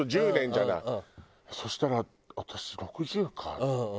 そしたら私６０か。